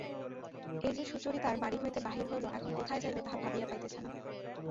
এই-যে সুচরিতার বাড়ি হইতে বাহির হইল এখন কোথায় যাইবে তাহা ভাবিয়া পাইতেছে না।